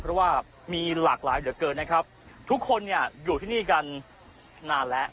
เพราะว่ามีหลากหลายเหลือเกินนะครับทุกคนเนี่ยอยู่ที่นี่กันนานแล้ว